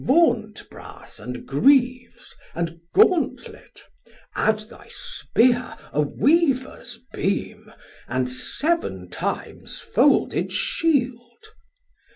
1120 Vant brass and Greves, and Gauntlet, add thy Spear A Weavers beam, and seven times folded shield.